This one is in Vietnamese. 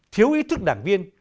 thiếu ý thức đảng viên